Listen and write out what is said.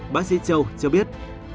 bác sĩ châu cho biết